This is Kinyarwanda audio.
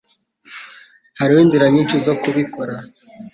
Hariho inzira nyinshi zo kubikora.